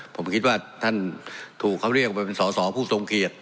ผมคิดว่าท่านถูกเขาเรียกว่าเป็นสอสอผู้ทรงเกียจ